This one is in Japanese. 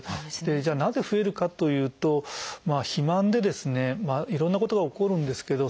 じゃあなぜ増えるかというと肥満でですねいろんなことが起こるんですけど